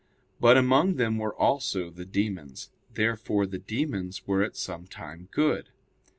But among them were also the demons. Therefore the demons were at some time good.